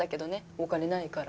お金ないから。